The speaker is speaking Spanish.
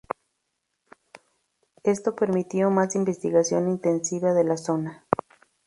Esto permitió más investigación intensiva de la zona.